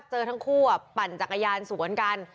เจอทั้งคู่ปั่นจักรยานสวนกัน